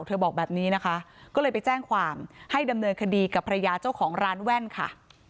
บอกแบบนี้นะคะก็เลยไปแจ้งความให้ดำเนินคดีกับภรรยาเจ้าของร้านแว่นค่ะ